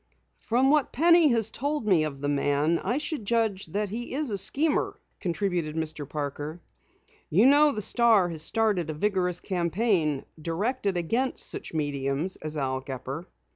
"From what Penny has told me of the man, I should judge that he is a schemer," contributed Mr. Parker. "You know the Star has started a vigorous campaign directed against such mediums as Al Gepper."